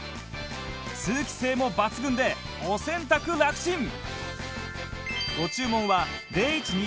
通気性も抜群でお洗濯楽ちん